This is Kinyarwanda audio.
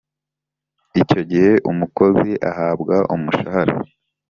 icyo gihe umukozi ahabwa umushahara